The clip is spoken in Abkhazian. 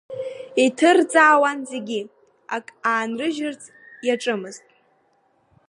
Иҭырҵаауан зегьы, ак аанрыжьырц иаҿымызт.